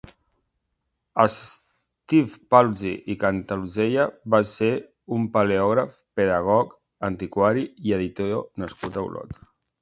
Esteve Paluzie i Cantalozella va ser un paleògraf, pedagog, antiquari i editor nascut a Olot.